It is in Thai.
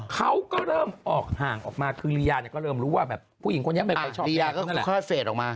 เขาก็เริ่มออกห่างออกมาคือลียาก็เริ่มรู้ว่าผู้หญิงคนนี้ไม่ชอบแม่เขา